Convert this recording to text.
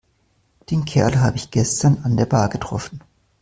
Den Kerl habe ich gestern an der Bar getroffen.